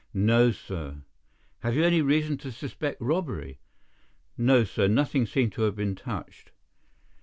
"No, sir." "Have you any reason to suspect robbery?" "No, sir. Nothing seemed to have been touched."